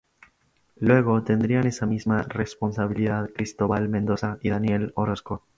Luego tendrían esa misma responsabilidad Cristóbal Mendoza y Daniel Orozco.